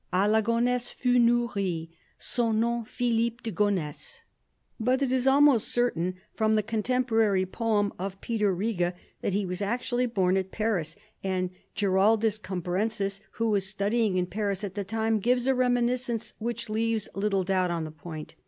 A la Gonnesse fu nouris, S'ot non Felipes de Gonnesse. But it is almost certain, from the contemporary poem of Peter Riga, that he was actually born at Paris ; and Giraldus Cambrensis, who was studying in Paris at the time, gives a reminiscence which leaves little doubt on the point.